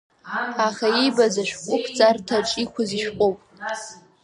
Аха иибаз ашәҟәықәҵарҭаҿ иқәыз ишәҟәуп.